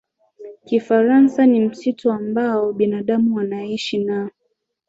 Kifaransa Ni msitu ambao binadamu wanaishi na